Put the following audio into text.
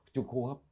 trung khu hốp